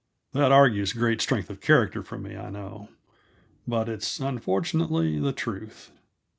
That argues great strength of character for me, I know, but it's unfortunately the truth.